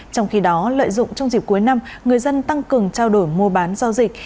trong khi đó lợi dụng trong dịp cuối năm người dân tăng cường trao đổi mua bán giao dịch